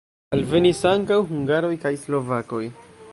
Alvenis ankaŭ hungaroj kaj slovakoj.